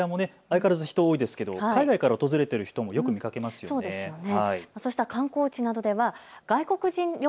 渋谷も相変わらず人多いですけど海外から訪れている人も浴見かけよく見かけますよね。